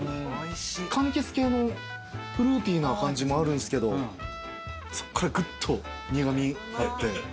かんきつ系のフルーティーな感じもあるんすけどそこからグッと苦味入って。